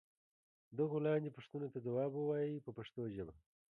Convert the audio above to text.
دغو لاندې پوښتنو ته ځواب و وایئ په پښتو ژبه.